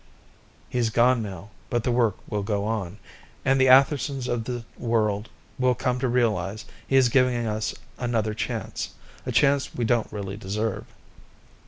He's gone now, but the work will go on, and the Athersons of the world will come to realize he is giving us another chance, a chance we don't really deserve.